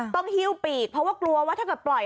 หิ้วปีกเพราะว่ากลัวว่าถ้าเกิดปล่อย